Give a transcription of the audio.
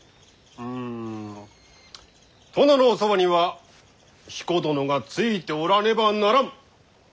うん殿のおそばには彦殿がついておらねばならん！ということじゃろうな。